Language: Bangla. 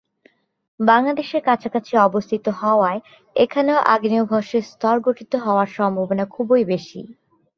বাংলাদেশের কাছাকাছি অবস্থিত হওয়ায় এখানেও আগ্নেয়ভস্মের স্তর গঠিত হওয়ার সম্ভাবনা খুবই বেশি।